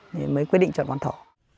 thế mới quyết định chọn con thỏ